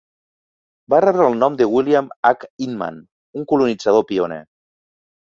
Va rebre el nom de William H. Inman, un colonitzador pioner.